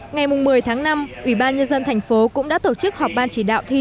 ngày một mươi tháng năm ubnd tp hcm cũng đã tổ chức họp ban chỉ đạo thi